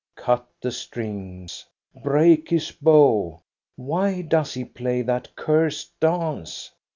Cut the strings, break his bow! Why does he play that cursed dance?